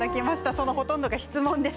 そのほとんどが、質問です。